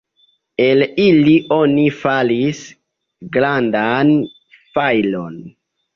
El ili oni faris grandan fajron.